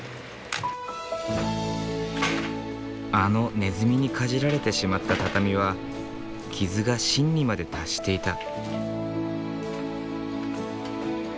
あのネズミにかじられてしまった畳は傷が芯にまで達していた。